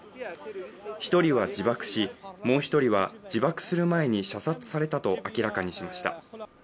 １人は自爆し、もう１人は自爆する前に射殺されたと明らかにしました。